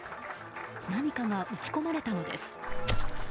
何かが撃ち込まれたのです。